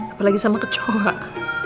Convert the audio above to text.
apalagi sama ke cowok